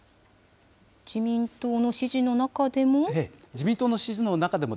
自民党の支持の中でも。